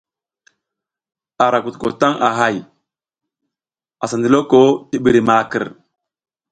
A ra kutuko taƞ a hay, asa ndiloko ti ɓiri makər.